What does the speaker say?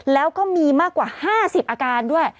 แล้วก็มีมากกว่า๕๐อาการด้วย